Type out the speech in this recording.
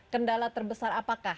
kendala terbesar apakah